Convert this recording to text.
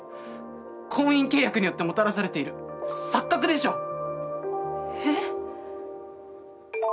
婚姻契約によってもたらされている錯覚でしょう？え？